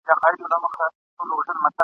نن که سباوي زموږ ځیني تله دي !.